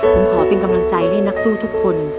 ผมขอเป็นกำลังใจให้นักสู้ทุกคน